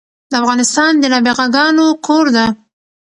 افغانستان د نابغه ګانو کور ده